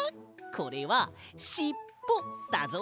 これはしっぽだぞ。